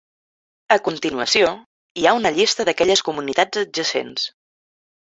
A continuació, hi ha una llista d'aquelles comunitats adjacents.